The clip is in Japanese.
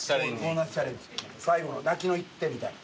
最後の泣きの一手みたいな。